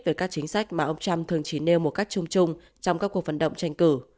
về các chính sách mà ông trump thường chỉ nêu một cách chung chung trong các cuộc vận động tranh cử